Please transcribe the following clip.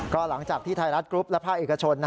ก็หลังจากที่ไทยรัฐกรุ๊ปและภาคเอกชน